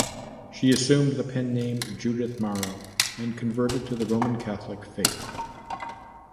She assumed the pen name Judith Maro and converted to the Roman Catholic faith.